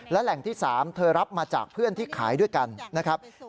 และแหล่งที่๓เธอรับมาจากเพื่อนที่ขายด้วยกันนะครับ